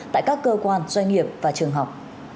tại các cơ quan doanh nghiệp và trường học